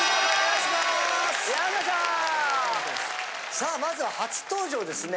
さあまずは初登場ですね。